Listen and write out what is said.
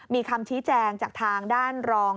มีคำชี้แจงจากทางด้านรอง